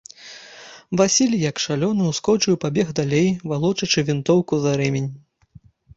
Васіль, як шалёны, ускочыў і пабег далей, валочачы вінтоўку за рэмень.